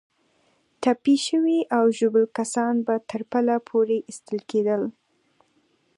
ټپي شوي او ژوبل کسان به تر پله پورې ایستل کېدل.